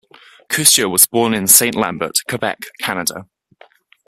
Cousture was born in Saint-Lambert, Quebec, Canada.